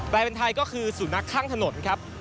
ลายเป็นไทยก็คือสุนัขข้างถนนครับ